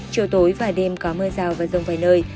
chiều tối và đêm có mưa rào và rông vài nơi